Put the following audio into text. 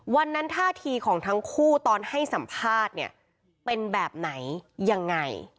วันนั้นท่าทีของทั้งคู่ตอนให้สัมภาษณ์เป็นแบบไหนยังไง